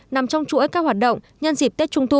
nằm trong chuỗi các hoạt động nhân dịp tết trung thu